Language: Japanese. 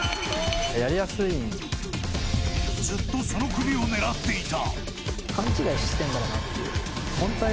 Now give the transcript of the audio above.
ずっとその首を狙っていた。